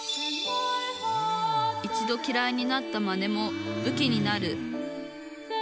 一度きらいになったマネもぶきになる。